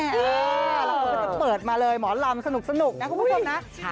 อ๋อหมอลำมันก็จะเปิดมาเลยหมอลำสนุกนะคุณผู้ชมนะ